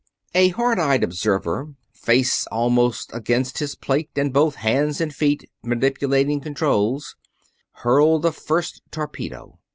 A hard eyed observer, face almost against his plate and both hands and both feet manipulating controls, hurled the first torpedo.